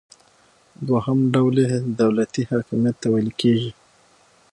دوهم ډول یې دولتي حاکمیت ته ویل کیږي.